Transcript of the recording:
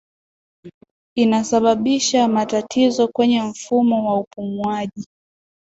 inasababisha matatizo kwenye mfumo wa upumuaji